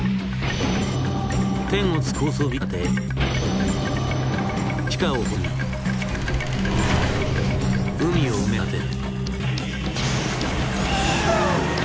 天を突く高層ビルを建て地下を掘り進み海を埋め立てる。